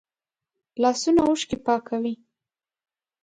لاسونه اوښکې پاکوي